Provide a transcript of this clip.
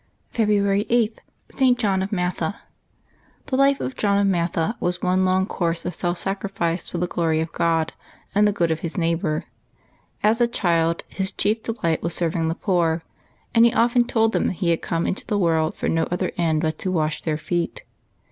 February 8.— ST. JOHN OF MATHA. ^^HE life of St. John of Matha was one long course of V / self sacrifice for the glory of God and the good of his neighbor. As a child, his chief delight was serving the poor; and he often told, them he had come into the world for no other end but to wash their feet.